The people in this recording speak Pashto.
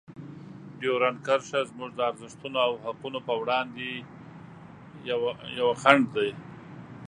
ډیورنډ کرښه زموږ د ارزښتونو او حقونو په وړاندې یوه خنډ ده.